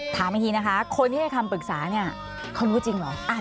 ถามอีกทีนะคะคนที่ให้คำปรึกษาเนี่ยเขารู้จริงเหรอ